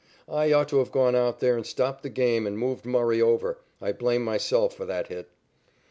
I ought to have gone out there and stopped the game and moved Murray over. I blame myself for that hit."